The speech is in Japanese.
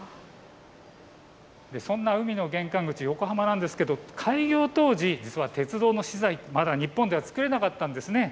そんな海の玄関口、横浜なんですけれども開業当時、実は鉄道の資材、まだ日本で作れなかったんですね。